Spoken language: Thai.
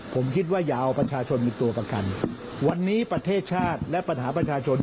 ผมคิดว่าอย่าเอาประชาชนเป็นตัวประกันวันนี้ประเทศชาติและปัญหาประชาชน